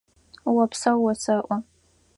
Опсэу осэӏо!